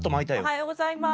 おはようございます。